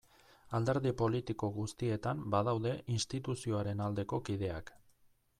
Alderdi politiko guztietan badaude instituzioaren aldeko kideak.